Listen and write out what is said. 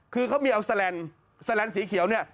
คือเขามีเอาแลนแลนสีเขียวเนี่ย